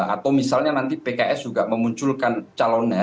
atau misalnya nanti pks juga memunculkan calonnya